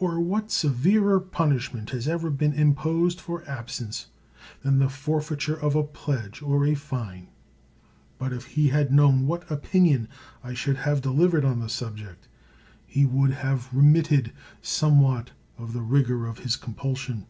or what severer punishment has ever been imposed for absence than the for feiture of a pledge, or a fine? But if he had known what opinion I should have delivered on the subject, he would have remitted somewhat of the rigor of his compulsion.